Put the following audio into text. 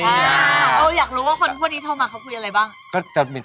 อยากรู้ว่าคนพวกนี้โทรมาเขาคุยอะไรบ้าง